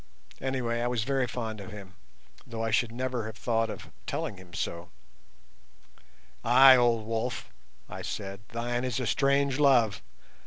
Anyway, I was very fond of him, though I should never have thought of telling him so. "Ay, old wolf," I said, "thine is a strange love.